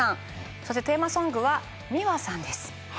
そしてテーマソングはｍｉｗａさんです。